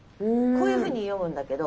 こういうふうに詠むんだけど。